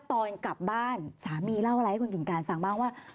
ตอนกลับบ้านสามีเล่าอะไรให้คุณกิ่งการฟังบ้างว่า